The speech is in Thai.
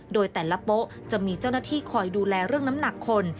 โดยแต่ละโป๊ะจะมีเจ้าหน้าที่คอยดูแลเรื่องน้ำหนักคน